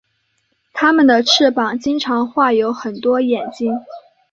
他们的翅膀经常画有很多眼睛。